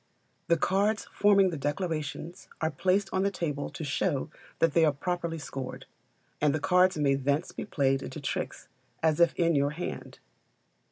The cards forming the declarations are placed on the table to show that they are properly scored, and the cards may thence be played into tricks as if in your hand.